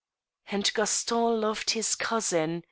And Gaston loved his cousin.